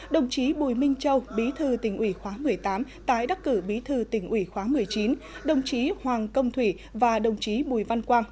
đồng chí bùi minh châu bí thư tỉnh ủy khóa một mươi tám tái đắc cử bí thư tỉnh ủy khóa một mươi chín đồng chí hoàng công thủy và đồng chí bùi văn quang